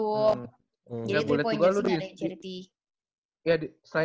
jadi tiga point jersey nih ada yang charity